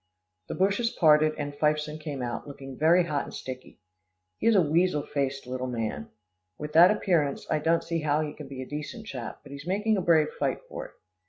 The bushes parted, and Fifeson came out, looking very hot and sticky. He is a weasel faced little man. With that appearance, I don't see how he can be a decent chap, but he's making a brave fight for it.